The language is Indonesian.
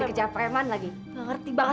karena raja jadi airnya juga raja